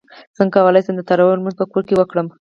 څنګه کولی شم د تراویحو لمونځ په کور کې وکړم